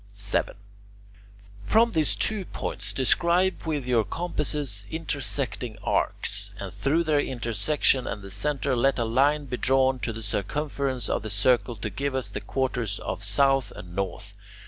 [Illustration: THE TOWER OF THE WINDS AT ATHENS] 7. From these two points describe with your compasses intersecting arcs, and through their intersection and the centre let a line be drawn to the circumference of the circle to give us the quarters of south and north.